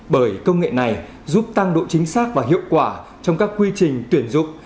bởi công nghệ này giúp tăng độ chính xác và hiệu quả trong các quy trình tuyển dụng